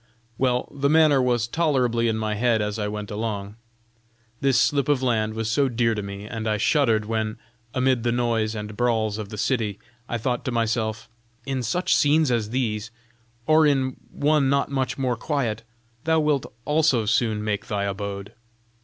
Well, the matter was tolerably in my head as I went along. This slip of land was so dear to me, and I shuddered when, amid the noise and brawls of the city, I thought to myself, 'In such scenes as these, or in one not much more quiet, thou wilt also soon make thy abode!'